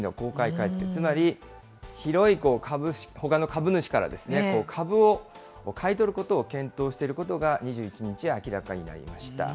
買い付け、つまり、広いほかの株主から株を買い取ることを検討していることが、２１日、明らかになりました。